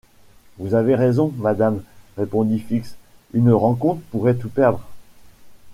Vous avez raison, madame, répondit Fix, une rencontre pourrait tout perdre.